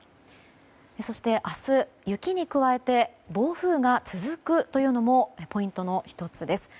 そして明日、雪に加えて暴風が続くというのもポイントの１つです。